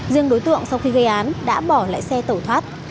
riêng đối tượng sau khi gây án đã bỏ lại xe tẩu thoát